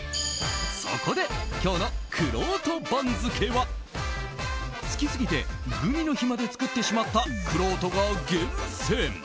そこで、今日のくろうと番付は好きすぎてグミの日まで作ってしまったくろうとが厳選。